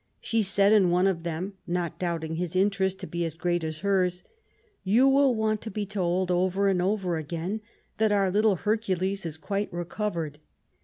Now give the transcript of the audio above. She said in one of them^ not doubting his interest to be as great as hers :—... Ton will want to be told over and oTer agiin that our little Hercules is qnite recoTered.